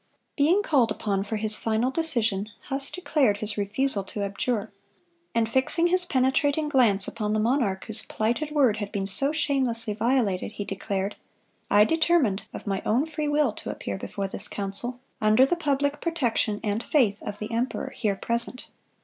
Being called upon for his final decision, Huss declared his refusal to abjure, and fixing his penetrating glance upon the monarch whose plighted word had been so shamelessly violated, he declared, "I determined, of my own free will, to appear before this council, under the public protection and faith of the emperor here present."